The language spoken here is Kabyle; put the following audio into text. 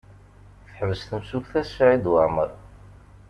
Teḥbes temsulta Saɛid Waɛmaṛ.